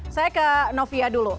saya ke novia dulu